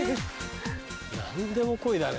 何でも来いだね。